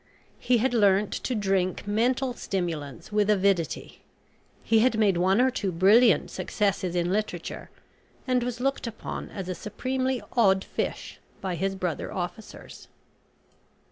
He had learnt to drink mental stimulants with avidity. He had made one or two brilliant successes in literature, and was looked upon as a supremely "odd fish," by his brother officers.